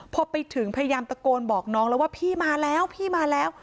พอไปถึงพยายามตะโกนบอกน้องแล้วว่าพี่มาแล้วพี่มาแล้ว